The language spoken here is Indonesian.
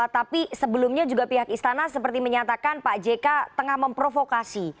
tapi sebelumnya juga pihak istana seperti menyatakan pak jk tengah memprovokasi